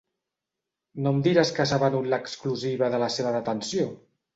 No em diràs que s'ha venut l'exclusiva de la seva detenció?